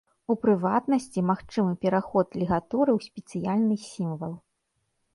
У прыватнасці, магчымы пераход лігатуры ў спецыяльны сімвал.